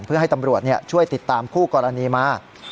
เพื่อให้ตำรวจช่วยติดตามคู่กรณีมา